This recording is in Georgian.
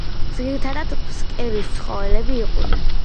ძირითადად ფსკერის ცხოველები იყვნენ.